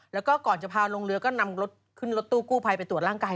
แล้วก็ก่อนจะพาลงเรือก็นำรถขึ้นรถตู้กู้ภัยไปตรวจร่างกาย